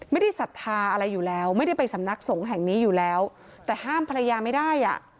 ศรัทธาอะไรอยู่แล้วไม่ได้ไปสำนักสงฆ์แห่งนี้อยู่แล้วแต่ห้ามภรรยาไม่ได้อ่ะ